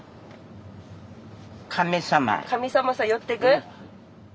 神様さ寄ってく？